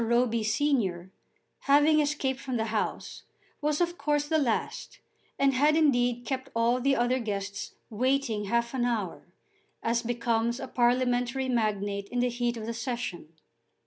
Roby senior, having escaped from the House, was of course the last, and had indeed kept all the other guests waiting half an hour, as becomes a parliamentary magnate in the heat of the Session.